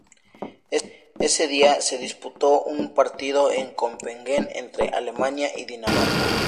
Ese día, se disputó un partido en Copenhagen entre Alemania y Dinamarca.